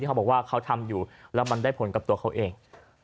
เขาบอกว่าเขาทำอยู่แล้วมันได้ผลกับตัวเขาเอง